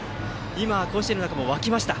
甲子園の中も沸きました。